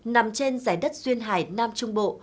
nằm trên giải đất duyên hải nam trung bộ